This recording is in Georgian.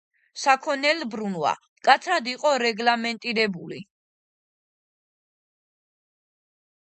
საქონელბრუნვა მკაცრად იყო რეგლამენტირებული.